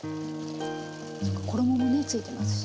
そうか衣もねついてますしね。